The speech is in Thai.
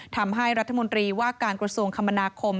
ทำให้รัฐมนตรีว่าการกระทรวงคมนาคม